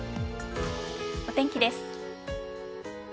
お天気です。